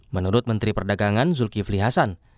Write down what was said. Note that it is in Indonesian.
menurut menteri perdagangan zulkifli hasan